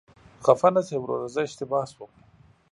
خفه نشې وروره، زه اشتباه شوم.